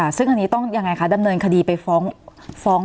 เอ่อส่วนที่เราตรวจสอบแกนการการจ่ายเงินประแมนประเมนทั้งหมดซัก๑๙๘ล้านคน